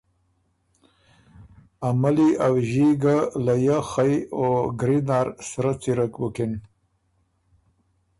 ا ملّی ا وݫي ګه لیۀ خئ او ګری نر سرۀ څیرک بُکن